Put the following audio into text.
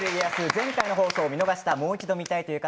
前回の放送を見逃した方もう一度見たいという方